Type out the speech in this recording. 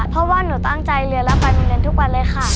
เพราะว่าหนูตั้งใจเรียนแล้วไปมีเรียนทุกคน